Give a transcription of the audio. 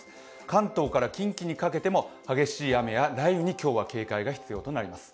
関東から近畿にかけても激しい雨や雷雨に今日は警戒が必要となります。